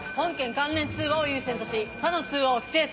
関連通話を優先とし他の通話を規制する。